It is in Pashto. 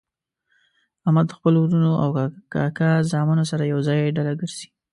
احمد د خپلو ورڼو او کاکا زامنو سره ېوځای ډله ګرځي.